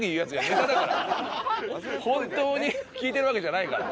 本当に聞いてるわけじゃないから。